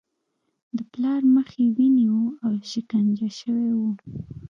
د پلار مخ یې وینې و او شکنجه شوی و